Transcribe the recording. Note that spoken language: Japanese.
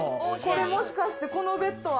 もしかしてこのベッドは？